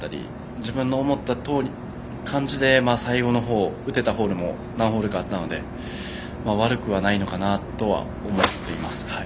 自分の思った感じで最後のほうに打てたホールも何ホールかあったので悪くはないのかなとは思っています。